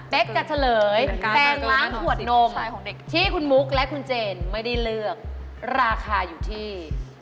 จะเฉลยแปงล้างขวดนมที่คุณมุกและคุณเจนไม่ได้เลือกราคาอยู่ที่